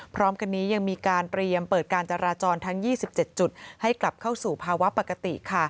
พร้อมกันนี้ยังมีการเตรียมเปิดการจราจรทั้ง๒๗จุดให้กลับเข้าสู่ภาวะปกติค่ะ